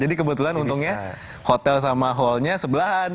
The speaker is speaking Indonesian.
jadi kebetulan untungnya hotel sama hallnya sebelahan